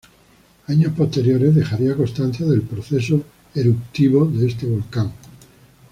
Años posteriores dejaría constancia del proceso eruptivo de este volcán.